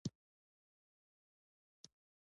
ځمکه د افغانستان د بشري فرهنګ یوه ډېره مهمه برخه ده.